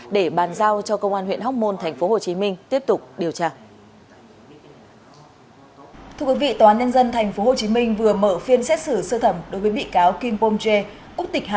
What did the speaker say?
để bàn giao cho công an huyện hóc môn tp hcm tiếp tục điều tra